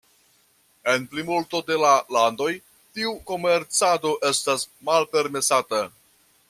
En plimulto de la landoj tiu komercado estas malpermesata.